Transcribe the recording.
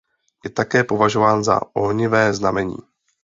Je také považován za ohnivé znamení.